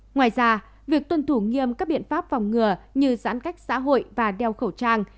ngoài ra việc tuân thủ nghiêm các biện pháp phòng ngừa như giãn cách xã hội và đeo khẩu trang